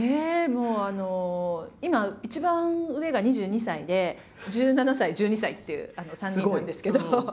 もうあの今一番上が２２歳で１７歳１２歳っていう３人なんですけど。